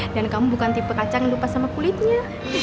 dan kamu bukan tipe kacang yang lupa sama kulitnya